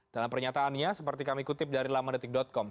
dalam pernyataannya seperti kami kutip dari lamandetik com